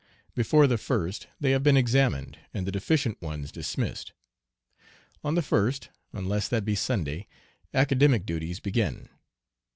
Before the 1st they have been examined and the deficient ones dismissed. On the 1st, unless that be Sunday, academic duties begin.